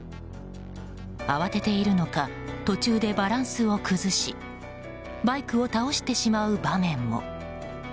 慌てているのか途中でバランスを崩しバイクを倒してしまう場面も。